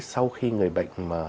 sau khi người bệnh mà